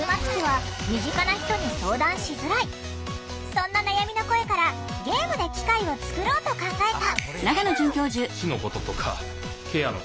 そんな悩みの声からゲームで機会を作ろうと考えた。